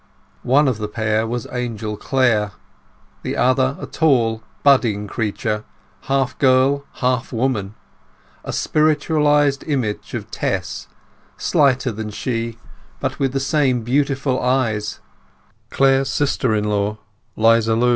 One of the pair was Angel Clare, the other a tall budding creature—half girl, half woman—a spiritualized image of Tess, slighter than she, but with the same beautiful eyes—Clare's sister in law, 'Liza Lu.